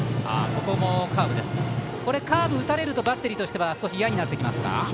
カーブを打たれるとバッテリーとしては少し嫌になってきますか。